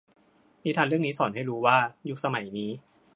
นิทานเรื่องนี้สอนให้รู้ว่ายุคสมัยนี้